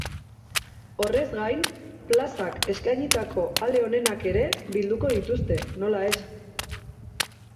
Horrez gain, plazak eskainitako ale onenak ere bilduko dituzte, nola ez.